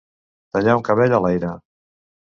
Tallar un cabell a l'aire.